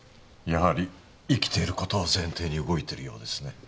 やはり生きていることを前提に動いてるようですね。